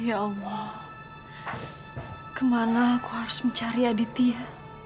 ya allah kemana aku harus mencari aditya